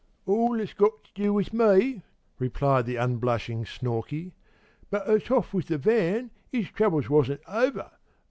"All that's to do with me," replied the unblushing Snorkey. "But the toff with the van, 'is troubles wasn't over.